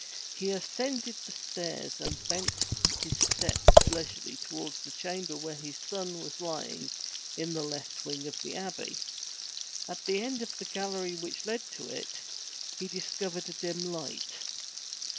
He ascended the stairs and bent his steps leisurely toward the chamber where his son was lying in the left wing of the Abbey. At the end of the gallery which led to it, he discovered a dim light.